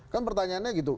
kan pertanyaannya gitu